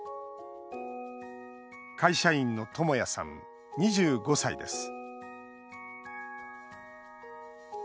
会社員のトモヤさん２５歳です